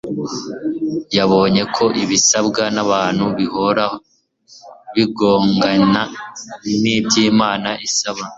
yabonye ko ibisabwa n'abantu bihora bigongana n'iby'Imana isaba.